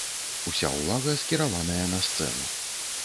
Уся ўвага скіраваная на сцэну.